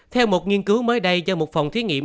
theo một nghiên cứu mới đây cho một phòng thí nghiệm